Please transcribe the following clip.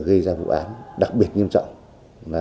gây ra vụ án đặc biệt nghiêm trọng